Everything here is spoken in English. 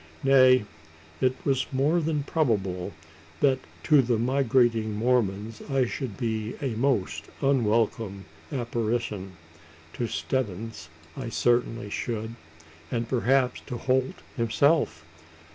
Nay, it was more than probable that to the migrating Mormons I should be a most unwelcome apparition to Stebbins I certainly should, and perhaps to Holt himself.